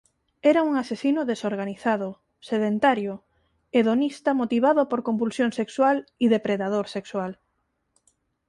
Era un asesino desorganizado, sedentario, hedonista motivado por compulsión sexual y depredador sexual.